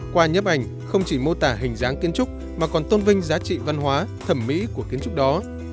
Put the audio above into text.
qua nhếp ảnh không chỉ mô tả hình dáng kiến trúc mà còn tôn vinh giá trị văn hóa thẩm mỹ của kiến trúc đó